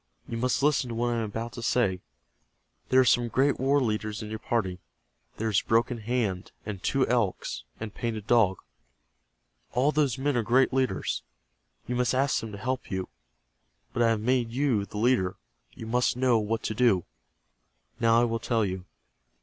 You must listen to what I am about to say. There are some great war leaders in your party. There is Broken Hand, and Two Elks, and Painted Dog. All those men are great leaders. You must ask them to help you. But I have made you the leader. You must know what to do. Now I will tell you.